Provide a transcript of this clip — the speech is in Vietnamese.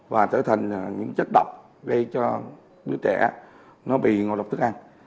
và trở thành những chất độc gây cho đứa trẻ nó bị ngộ độc thức ăn